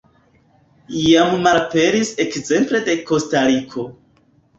Jam malaperis ekzemple de Kostariko.